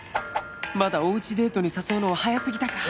まだおうちデートに誘うのは早すぎたか